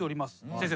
先生。